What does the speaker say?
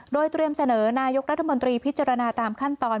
โดยเตรียมเสนอนายกรัฐมนตรีพิจารณาตามขั้นตอน